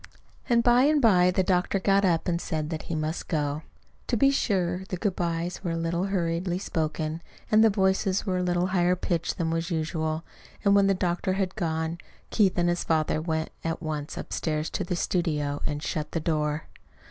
And by and by the doctor got up and said that he must go. To be sure, the good byes were a little hurriedly spoken, and the voices were at a little higher pitch than was usual; and when the doctor had gone, Keith and his father went at once upstairs to the studio and shut the door.